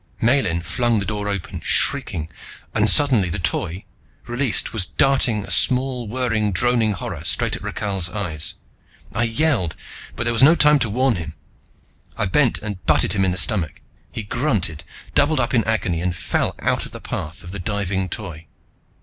Miellyn flung the door open, shrieking, and suddenly the Toy, released, was darting a small whirring droning horror, straight at Rakhal's eyes. I yelled. But there was no time even to warn him. I bent and butted him in the stomach. He grunted, doubled up in agony and fell out of the path of the diving Toy.